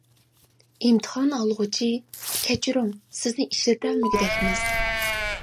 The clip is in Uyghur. ئىمتىھان ئالغۇچى : كەچۈرۈڭ، سىزنى ئىشلىتەلمىگۈدەكمىز.